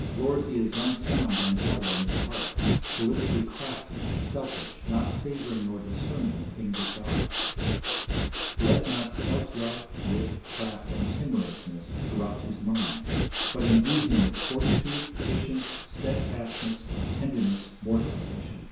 . Lord, he is unsound and double in his heart, politically crafty, selfish, not savouring nor discerning the things of God ... Let not self love, wit, craft, and timorousness corrupt his mind, but indue him with fortitude, patience, steadfastness, tenderness, mortification